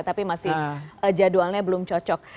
tapi masih jadwalnya belum cocok